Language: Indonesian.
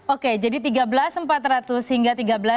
oke jadi tiga belas empat ratus hingga tiga belas